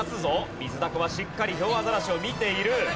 ミズダコはしっかりヒョウアザラシを見ている。